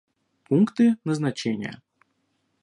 Пункты назначения